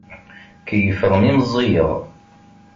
Keyyfeɣ mi meẓẓiyeɣ.